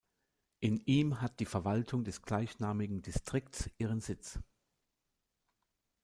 In ihm hat die Verwaltung des gleichnamigen Distrikts ihren Sitz.